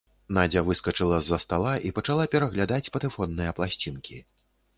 Надзя выскачыла з-за стала і пачала пераглядаць патэфонныя пласцінкі.